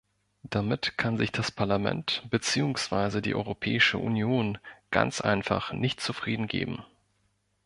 Damit kann sich das Parlament beziehungsweise die Europäische Union ganz einfach nicht zufrieden geben.